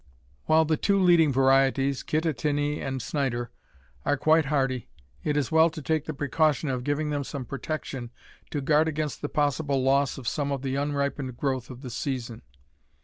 While the two leading varieties, Kittatinny and Snyder, are quite hardy, it is well to take the precaution of giving them some protection to guard against the possible loss of some of the unripened growth of the season.